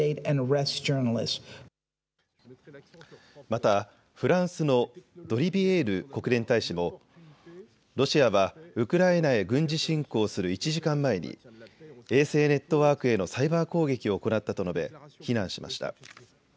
またフランスのドリビエール国連大使もロシアはウクライナへ軍事侵攻する１時間前に衛星ネットワークへのサイバー攻撃を行ったと述べ非難しました。